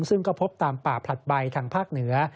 ซึ่งก็พบตามป่าผลัดใบทางภาคเหนือ